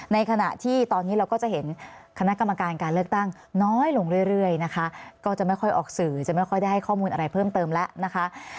ในขณะที่ตอนนี้เราก็จะเห็นคณะกรรมการการเลือกตั้งน้อยลงเรื่อยนะคะก็จะไม่ค่อยออกสื่อจะไม่ค่อยได้ให้ข้อมูลอะไรเพิ่มเติมแล้วนะคะ